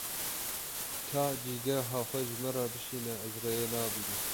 Ka cîgeha xwe ji min re bişîne, ez rêyê nabînim.